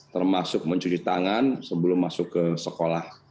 termasuk mencuci tangan sebelum masuk ke sekolah